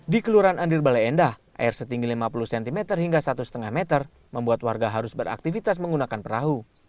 di kelurahan andir bale endah air setinggi lima puluh cm hingga satu lima meter membuat warga harus beraktivitas menggunakan perahu